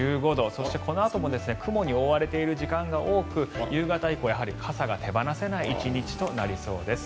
そしてこのあとも雲に覆われている時間が多く夕方以降、傘が手放せない１日になりそうです。